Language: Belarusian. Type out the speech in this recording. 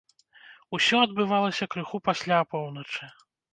Усё адбывалася крыху пасля апоўначы.